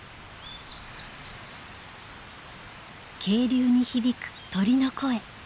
渓流に響く鳥の声。